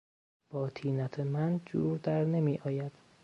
با طینت من جور در نمیآید.